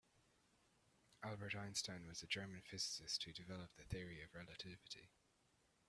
Albert Einstein was a German physicist who developed the Theory of Relativity.